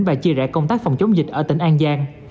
và chia rẽ công tác phòng chống dịch ở tỉnh an giang